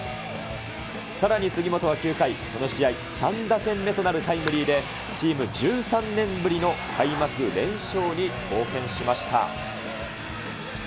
さらに、杉本は９回、この試合、３打点目となるタイムリーで、チーム１３年ぶりの開幕連勝に貢献しました。